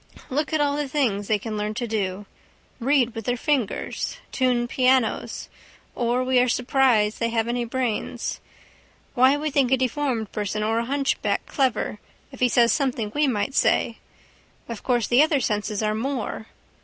Look at all the things they can learn to do. Read with their fingers. Tune pianos. Or we are surprised they have any brains. Why we think a deformed person or a hunchback clever if he says something we might say. Of course the other senses are more.